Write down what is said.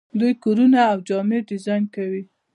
دوی کورونه او جامې ډیزاین کوي.